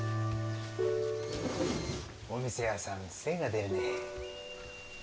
お店屋さん精が出るね。